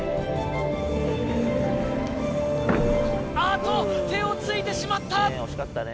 あっと手をついてしまった！